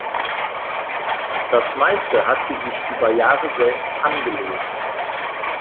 Das meiste hat sie sich über Jahre selbst angelesen.